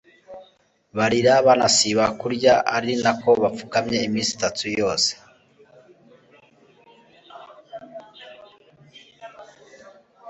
barira banasiba kurya, ari na ko bapfukamye iminsi itatu yose